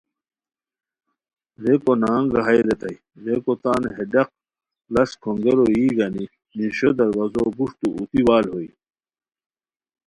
ریکو نہنگ ہائے ریتائے! ریکو تان ہے ڈاق ڑاݰ کھونگیرو یی گانی نیݰیو دروازو گوݯتو اوتی وال ہوئے